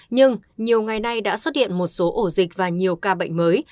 nhưng nhiều ngày nay đã xuất hiện một số ổ dịch và nhiều ca bệnh mới